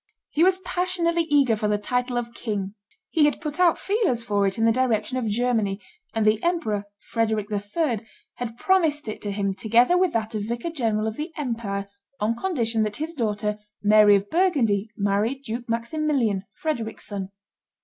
He was passionately eager for the title of king. He had put out feelers for it in the direction of Germany, and the emperor, Frederic III., had promised it to him together with that of vicar general of the empire, on condition that his daughter, Mary of Burgundy, married Duke Maximilian, Frederic's son.